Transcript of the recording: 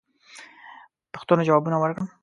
پوښتنو جوابونه ورکړم.